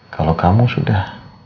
kalau kamu sudah